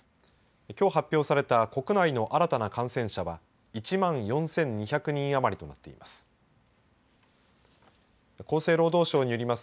きょう発表された国内の新たな感染者は１万４２００人あまりとなっています。